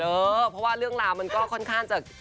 เพราะว่าเรื่องราวมันก็ค่อนข้างจะ